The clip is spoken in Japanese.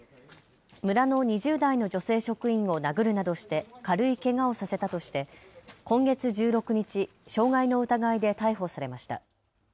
村の２０代の女性職員を殴るなどして軽いけがをさせたとして今月１６日、傷害の疑いで逮捕されました。